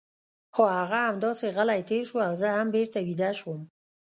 خو هغه همداسې غلی تېر شو او زه هم بېرته ویده شوم.